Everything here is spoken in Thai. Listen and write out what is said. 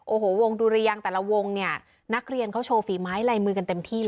โอ้โหวงดุรยังแต่ละวงเนี่ยนักเรียนเขาโชว์ฝีไม้ลายมือกันเต็มที่เลย